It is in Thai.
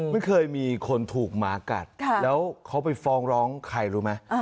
ไม่เคยมีคนถูกหมากัดแล้วเขาไปฟ้องร้องใครรู้ไหม